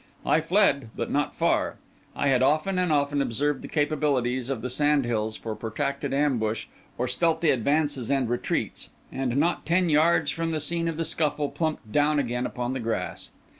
I fled, but not far. I had often and often observed the capabilities of the sand hills for protracted ambush or stealthy advances and retreats; and, not ten yards from the scene of the scuffle, plumped down again upon the grass.